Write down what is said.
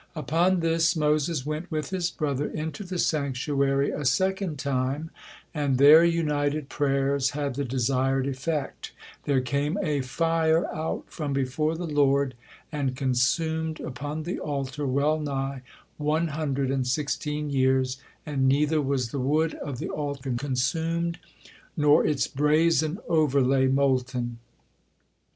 Upon this Moses went with his brother into the sanctuary a second time, and their united prayers had the desired effect, there came "a fire out from before the Lord, and consumed upon the altar well neigh one hundred and sixteen years, and neither was the wood of the altar consumed, nor its brazen overlay molten.